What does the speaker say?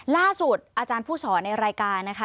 ล่าสุดอาจารย์ผู้สอนในรายการนะคะ